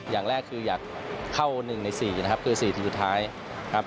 อย่างแรกคืออยากเข้า๑ใน๔นะครับคือ๔ทีมสุดท้ายครับ